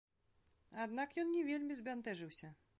Аднак ён не вельмі збянтэжыўся.